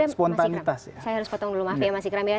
spontanitas saya harus potong dulu maaf ya mas ikram